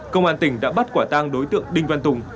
công an tỉnh đã bắt quả tang đối tượng đinh văn tùng